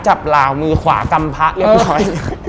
จับลาวความือควากัมภะเรียบร้อย